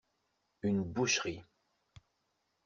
Une boucherie.